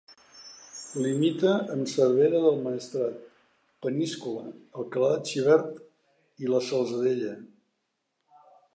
Limita amb Cervera del Maestrat, Peníscola, Alcalà de Xivert i la Salzadella.